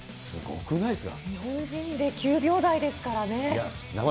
日本人で９秒台ですからね。